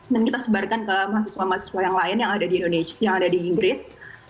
dan kita sebarikan ke mahasiswa mahasiswa yang lain yang ada di inggris